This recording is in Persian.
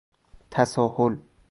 تساهل